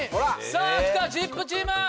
さぁ来たＺＩＰ！チーム。